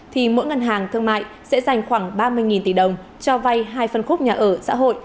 thì mỗi ngân hàng thương mại sẽ dành khoảng ba mươi tỷ đồng cho vay hai phân khúc nhà ở xã hội